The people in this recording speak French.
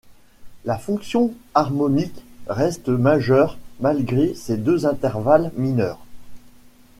La fonction harmonique reste majeure malgré ces deux intervalles mineurs.